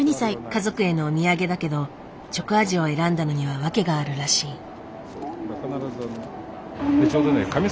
家族へのお土産だけどチョコ味を選んだのには訳があるらしい。